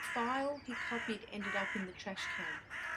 The file he copied ended up in the trash can.